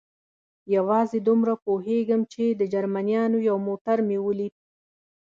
یوازې دومره پوهېږم، چې د جرمنیانو یو موټر مې ولید.